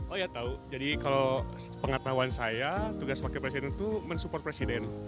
oh ya tau jadi kalau pengetahuan saya tugas wakil presiden itu mensupport presiden